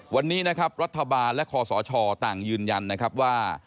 วันนี้นะครับรัฐบาลและคอสชต่างยืนยันนะครับว่า